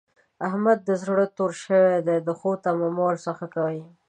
د احمد زړه تور شوی دی؛ د ښو تمه مه ور څځه کوئ.